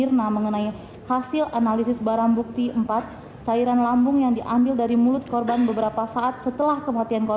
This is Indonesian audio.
dan di atas diselampirkan secara detail pada pemeriksaan ilmu hukum